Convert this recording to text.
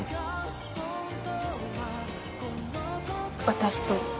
私と？